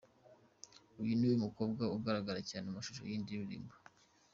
Uyu niwe mukobwa ugaragara cyane mu mashusho y'iyi ndirimbo.